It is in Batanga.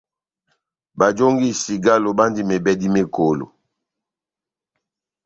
Bajongi cigalo bandi mebèdi mekolo.